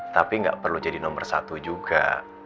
tapi nggak perlu jadi nomor satu juga